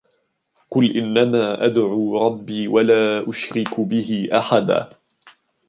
قُلْ إِنَّمَا أَدْعُو رَبِّي وَلَا أُشْرِكُ بِهِ أَحَدًا